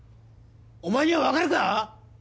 お前にはわかるか？